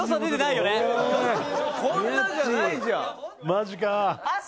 マジかあ！